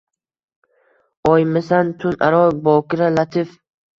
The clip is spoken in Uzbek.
Oymisan, tun aro bokira, latif